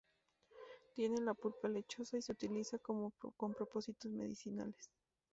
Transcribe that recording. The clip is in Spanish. Tiene la pulpa lechosa y se utiliza con propósitos medicinales.